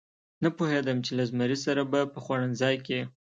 نه پوهېدم چې له زمري سره به په خوړنځای کې.